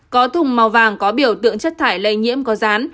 có thùng màu vàng có biểu tượng chất thải lây nhiễm có rán